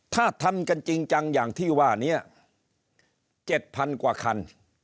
ถ้าทำกันจริงจังอย่างที่ว่านี้๗๐๐กว่าคัน